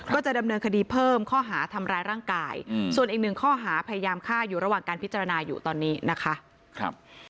ก็จะดำเนินคดีเพิ่มข้อหาทำร้ายร่างกายส่วนอีกหนึ่งข้อหาพยายามฆ่าอยู่ระหว่างการพิจารณาอยู่ตอนนี้นะคะ